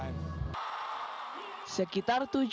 sekitar tiga juta penerbit di bandung